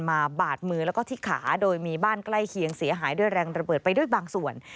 บาดมือแล้วก็ที่ขาโดยมีบ้านใกล้เคียงเสียหายด้วยแรงระเบิดไปด้วยบางส่วน